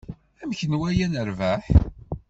Anamek n waya nerbeḥ?